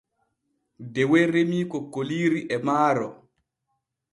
Dewe remii kokkoliiri e maaro.